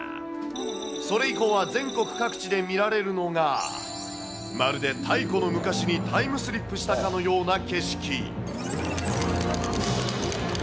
それ以降は全国各地で見られるのが、まるで太古の昔にタイムスリップしたかのような景色。